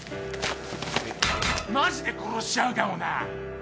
マジで殺しちゃうかもな。